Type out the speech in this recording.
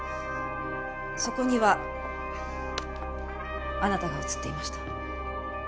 そこにはあなたが映っていました。